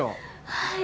はい。